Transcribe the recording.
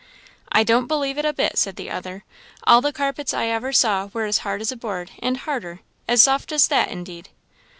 "I don't believe it a bit," said the other; "all the carpets I ever saw were as hard as a board, and harder; as soft as that, indeed!"